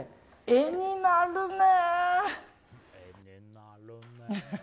絵になるね。